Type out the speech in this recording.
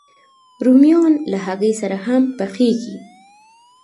رومیان له هګۍ سره هم پخېږي